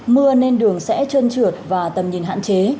mưa nên đường sẽ trơn trượt và tầm nhìn hạn chế